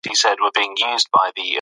غازي محمد ايوب خان لیسه